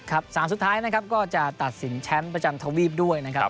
๓สุดท้ายนะครับก็จะตัดสินแชมป์ประจำทวีปด้วยนะครับ